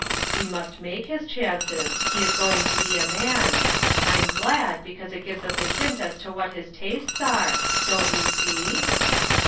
" He must make his chances ; he is going to be a man. I'm glad, because it gives us a hint as to what his tastes are ; don't you see